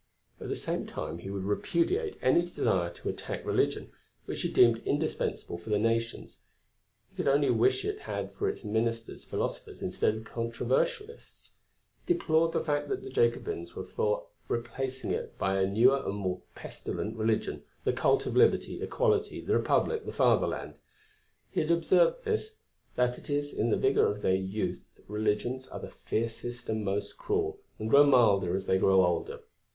At the same time he would repudiate any desire to attack religion, which he deemed indispensable for the nations; he could only wish it had for its ministers philosophers instead of controversialists. He deplored the fact that the Jacobins were for replacing it by a newer and more pestilent religion, the cult of liberty, equality, the republic, the fatherland. He had observed this, that it is in the vigour of their youth religions are the fiercest and most cruel, and grow milder as they grow older.